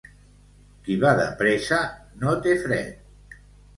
Qui va de pressa no té fred.